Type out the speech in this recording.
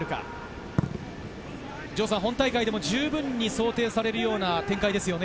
本大会でも十分に想定されるような展開ですね。